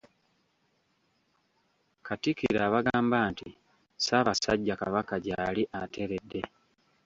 Katikkiro abagamba nti Ssaabasajja Kabaka gyali ateredde.